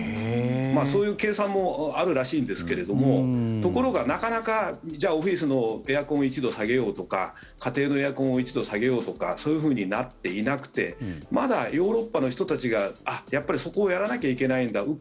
そういう計算もあるらしいんですけれどもところがなかなか、オフィスのエアコン１度下げようとか家庭のエアコン１度下げようとかそういうふうになっていなくてまだヨーロッパの人たちがそこをやらなきゃいけないんだ。